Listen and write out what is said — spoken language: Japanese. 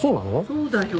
そうだよ。